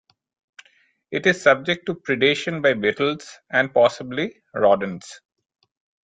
It is subject to predation by beetles and possibly rodents.